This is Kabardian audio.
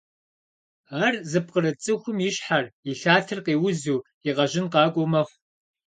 Ар зыпкъырыт цӀыхум и щхьэр, и лъатэр къеузу, и къэжьын къакӀуэу мэхъу.